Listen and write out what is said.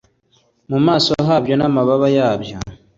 mu maso habyo n amababa yabyo